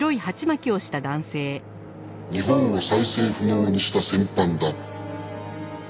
日本を再生不能にした戦犯だ。